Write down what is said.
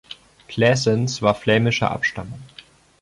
Claessens, war flämischer Abstammung.